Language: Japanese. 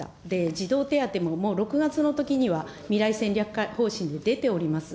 児童手当ももう６月のときには、未来戦略方針で出ております。